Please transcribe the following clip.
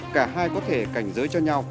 cả hai có thể cảnh giới cho nhau